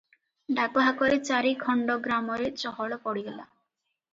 ଡାକହାକରେ ଚାରିଖଣ୍ଡ ଗ୍ରାମରେ ଚହଳ ପଡିଗଲା ।